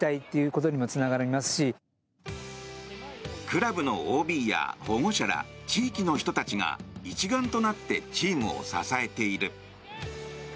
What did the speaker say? クラブのＯＢや保護者ら地域の人たちが一丸となってチームを支えている。